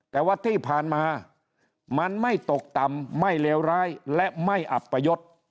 แต่ว่าที่ผ่านมามันไม่ตกต่ำไม่เลวร้ายและไม่อัปยศ